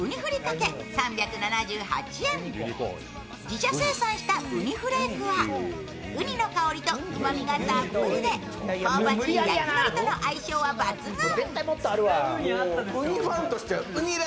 自社生産したうにフレークはうにの香りとうまみがたっぷりで香ばしい焼きのりとの相性は抜群。